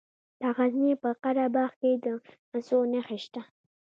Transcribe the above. د غزني په قره باغ کې د مسو نښې شته.